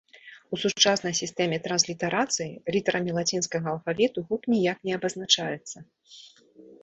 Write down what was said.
У сучаснай сістэме транслітарацыі літарамі лацінскага алфавіта гук ніяк не абазначаецца.